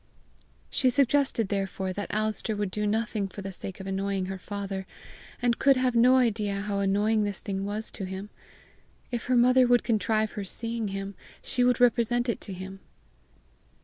She suggested therefore that Alister would do nothing for the sake of annoying her father, and could have no idea how annoying this thing was to him: if her mother would contrive her seeing him, she would represent it to him!